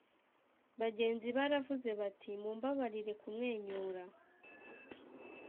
bagenzi baravuze bati: "mumbabarire kumwenyura: